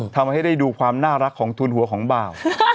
ทำให้ได้ดูความน่ารักของทุนหัวของบ่าว